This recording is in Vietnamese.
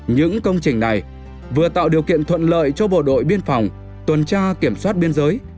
những công trình này vừa tạo điều kiện thuận lợi cho bộ đội biên phòng tuần tra kiểm soát biên giới